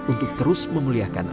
untuk terus memulihkan